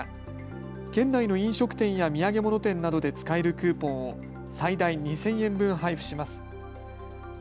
割り引くほか県内の飲食店や土産物店などで使えるクーポンを最大２０００円分、配布します。